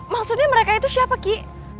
maksudnya mereka itu siapa ki